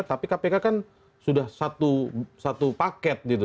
tapi kpk kan sudah satu paket gitu